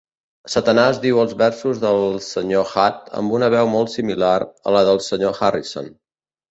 Satanàs diu els versos del Sr. Hat amb una veu molt similar a la del Sr. Garrison.